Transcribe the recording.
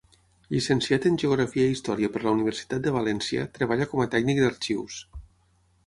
Llicenciat en Geografia i Història per la Universitat de València, treballa com a tècnic d'arxius.